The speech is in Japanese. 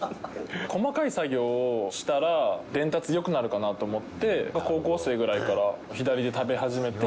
細かい作業をしたら、伝達よくなるかなと思って、高校生ぐらいから左で食べ始めて。